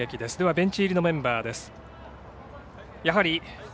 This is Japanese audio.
ベンチ入りのメンバーです。